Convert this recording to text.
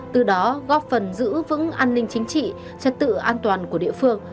từ đó góp phần giữ vững an ninh chính trị trật tự an toàn của địa phương